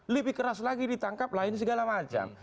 lebih keras lagi ditangkap lain segala macam